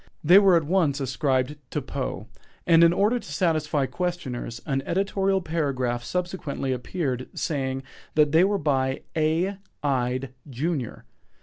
They were at once ascribed to Poe, and in order to satisfy questioners, an editorial paragraph subsequently appeared saying they were by "A. Ide, junior."